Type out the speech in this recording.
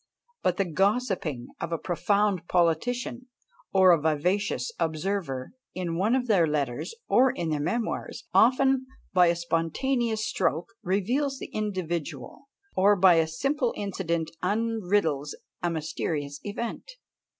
But the gossiping of a profound politician or a vivacious observer, in one of their letters, or in their memoirs, often, by a spontaneous stroke, reveals the individual, or by a simple incident unriddles a mysterious event.